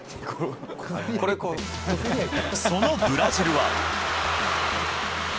そのブラジルは。